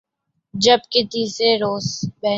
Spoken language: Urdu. جب کہ تیسرے روز